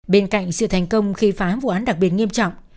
bên cạnh sự thành công khi phá vụ án đặc biệt nghiêm trọng